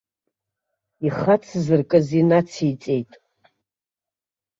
Ихацзыркыз инациҵеит.